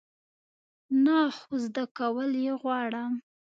نه، خو زده کول یی غواړم